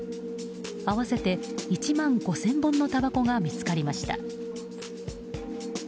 合わせて１万５０００本のたばこが見つかりました。